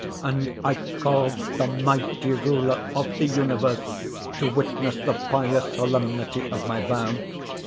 And I called the Mighty Ruler of the Universe to witness the pious solemnity of my vow.